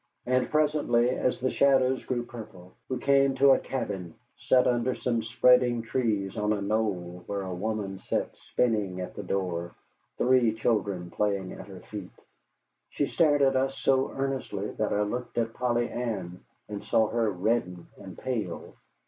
And presently, as the shadows grew purple, we came to a cabin set under some spreading trees on a knoll where a woman sat spinning at the door, three children playing at her feet. She stared at us so earnestly that I looked at Polly Ann, and saw her redden and pale.